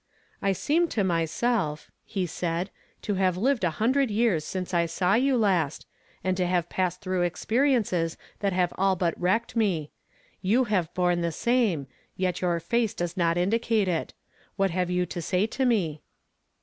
"I seem to myself," he said," to have lived a m 1 i T mn 318 YESTEEDAY FliAMED IN TO DAY. hundred years since I saw you last, and to liave passed through experiences that liave all but Avrecked me. You have borne the same, yet your face does not indicate it. What have you to sav to me?"